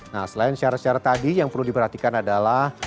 nah selain syarat syarat tadi yang perlu diperhatikan adalah